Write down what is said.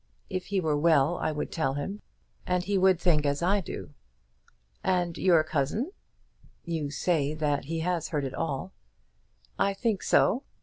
If he were well I would tell him, and he would think as I do." "And your cousin?" "You say that he has heard it all." "I think so.